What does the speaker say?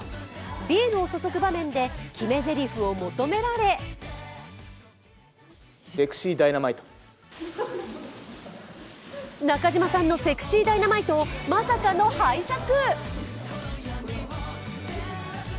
ビールを注ぐ場面で決めぜりふを求められ中島さんのセクシーダイナマイトをまさかの拝借。